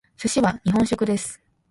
寿司は日本食です。